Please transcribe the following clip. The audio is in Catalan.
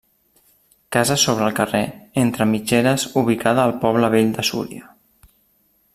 Casa sobre el carrer, entre mitgeres ubicada al Poble Vell de Súria.